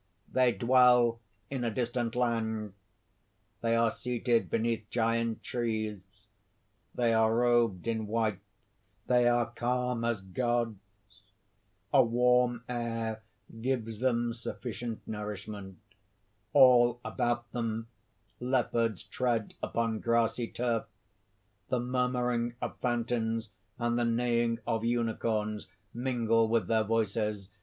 They dwell in a distant land; they are seated beneath giant trees; they are robed in white; they are calm as Gods! A warm air gives them sufficient nourishment. All about them, leopards tread upon grassy turf. The murmuring of fountains and the neighing of unicorns mingle with their voices.